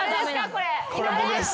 これ僕です。